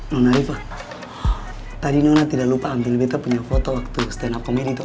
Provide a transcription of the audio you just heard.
nona riva tadi nona tidak lupa ambil berita punya foto waktu stand up komedi itu